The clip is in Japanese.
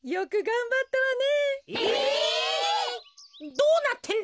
どうなってんだ？